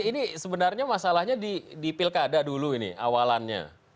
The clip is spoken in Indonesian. ini sebenarnya masalahnya di pilkada dulu ini awalannya